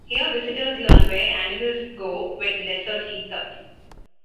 Here visitors learn where animals go when the desert heats up.